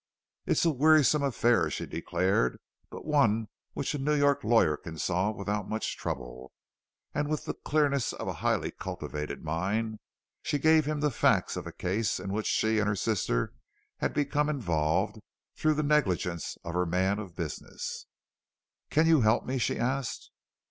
"It is a wearisome affair," she declared, "but one which a New York lawyer can solve without much trouble." And with the clearness of a highly cultivated mind, she gave him the facts of a case in which she and her sister had become involved through the negligence of her man of business. "Can you help me?" she asked.